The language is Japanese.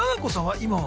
今は。